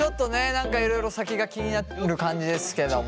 何かいろいろ先が気になってる感じですけども。